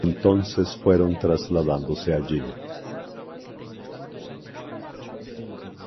Entonces fueron trasladándose allí.